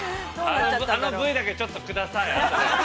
◆あのＶだけちょっとください。